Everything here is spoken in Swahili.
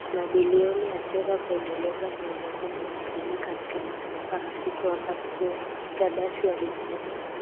mabilioni ya fedha kuendeleza miundombinu ya utalii katika mataifa rafiki Wakati huo Gaddafi alikuwa